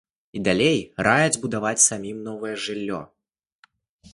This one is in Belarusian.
І далей раяць будаваць самім новае жыллё.